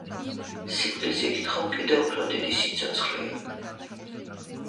სიკვდილს იქით ხომ კიდევ უფრო დიდი სიცოცხლეა